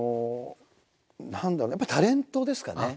何だろうやっぱタレントですかね。